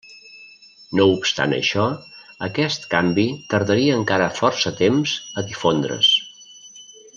No obstant això, aquest canvi tardaria encara força temps a difondre's.